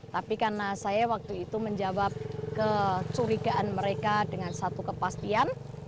tapi karena saya waktu itu menjawab kecurigaan mereka dengan satu kepastian